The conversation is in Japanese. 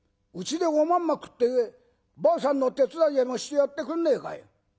うちでおまんま食ってばあさんの手伝いでもしてやってくんねえかい？